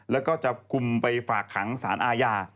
แล้วก็จะคุมไปฝากขังสารอาญา